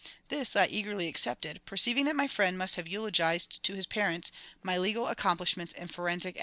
This I eagerly accepted, perceiving that my friend must have eulogised to his parents my legal accomplishments and forensic acumen.